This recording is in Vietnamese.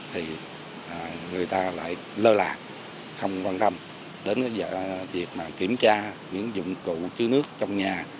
thì người ta lại lơ lạc không quan tâm đến việc kiểm tra những dụng cụ chứa nước trong nhà